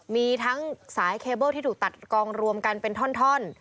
มีทั้งสายเคเบิ้ลที่ถูกตัดกองรวมกันเป็นท่อน